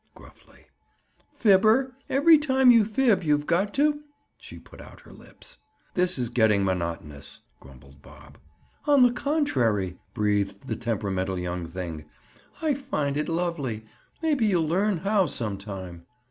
Gruffly. "Fibber! every time you fib, you've got to—" She put up her lips. "This is getting monotonous," grumbled Bob. "On the contrary!" breathed the temperamental young thing. "I find it lovely. Maybe you'll learn how sometime."